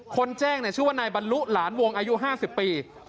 คนแจ้งเนี่ยชื่อว่านายบรรลุหลานวงอายุห้าสิบปี